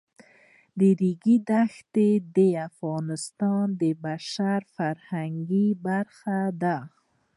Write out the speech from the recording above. د ریګ دښتې د افغانستان د بشري فرهنګ برخه ده.